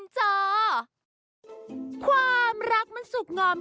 สวัสดีครับสวัสดีครับ